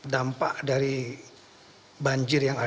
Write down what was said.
dan juga istilahnya